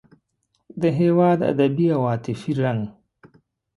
د هېواد ادبي او عاطفي رنګ.